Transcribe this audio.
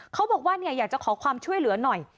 เขาบอกว่าอยากจะขอความช่วยเหลือหน่อย